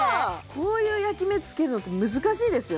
こういう焼き目つけるのって難しいですよ